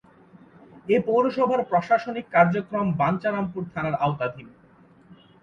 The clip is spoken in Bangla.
এ পৌরসভার প্রশাসনিক কার্যক্রম বাঞ্ছারামপুর থানার আওতাধীন।